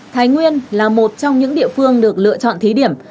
thái nguyên là một trong những địa phương được lựa chọn thí điểm